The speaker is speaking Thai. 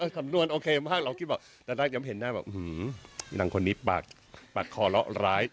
คำนวณโอเคมากเราคิดแบบแต่นักยังเห็นหน้าแบบหื้อนางคนนี้ปากปากคอเลาะร้าย